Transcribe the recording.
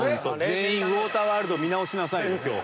全員「ウォーターワールド」見直しなさいよ今日。